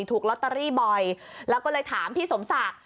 ถูกลอตเตอรี่บ่อยแล้วก็เลยถามพี่สมศักดิ์